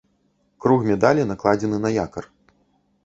Круг медалі накладзены на якар.